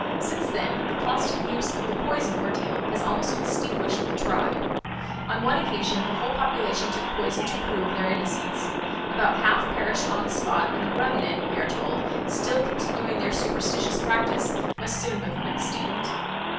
Since then the constant use of the poison ordeal has almost extinguished the tribe. On one occasion the whole population took poison to prove their innocence. About half perished on the spot, and the remnant, we are told, still continuing their superstitious practice, must soon become extinct.